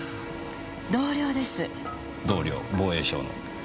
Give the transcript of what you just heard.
同僚です。